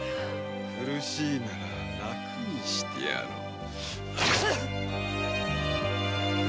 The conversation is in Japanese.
苦しいなら楽にしてやろう。